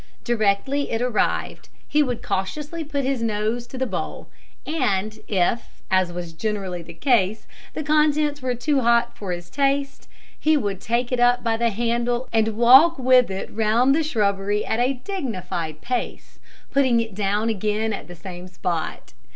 Directly it arrived, he would cautiously put his nose to the bowl, and if, as was generally the case, the contents were too hot for his taste, he would take it up by the handle and walk with it round the shrubbery at a dignified pace, putting it down again at the same spot.